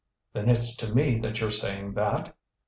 "Then it's to me that you're saying that?"